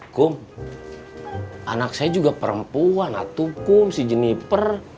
kum anak saya juga perempuan atukum si jeniper